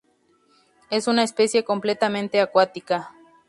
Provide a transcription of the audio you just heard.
Es una especie completamente acuática.